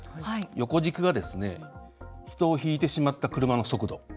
横軸が人をひいてしまった車の速度。